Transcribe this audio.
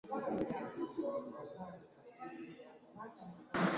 Ka tuve ku baana b’abaami abaaleetanga ente mu babbaabwe bafumbe.